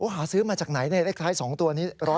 หาซื้อมาจากไหนเลขท้าย๒ตัวนี้๑๐